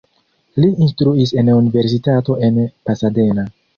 Li instruis en universitato en Pasadena.